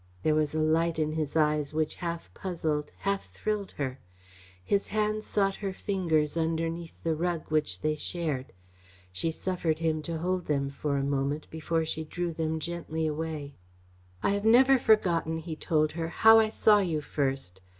There was a light in his eyes which half puzzled, half thrilled her. His hands sought her fingers underneath the rug which they shared. She suffered him to hold them for a moment before she drew them gently away. "I have never forgotten," he told her, "how I saw you first.